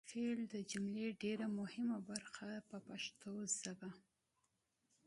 فعل د جملې ډېره مهمه برخه ده په پښتو ژبه.